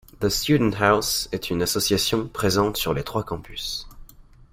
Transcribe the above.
The Student House est une association présente sur les trois campus.